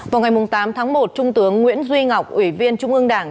vào ngày tám tháng một trung tướng nguyễn duy ngọc ủy viên trung ương đảng